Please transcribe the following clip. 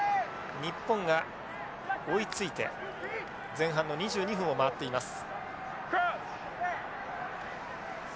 日本が追いついて前半の２２分を回っています。